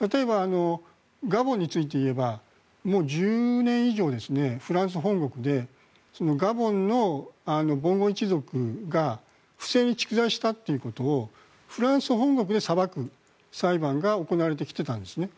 例えばガボンについていえばもう１０年以上フランス本国でガボンのボンゴ一族が不正に蓄財したということをフランス本国で裁く裁判が行われてきていたんですね。